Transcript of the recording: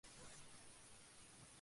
Era militante del Partido Blanco.